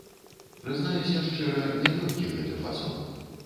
Прызнаюся шчыра, не лёгкі гэты фасон.